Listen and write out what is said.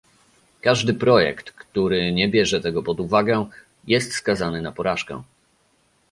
Każdy projekt, który nie bierze tego pod uwagę, jest skazany na porażkę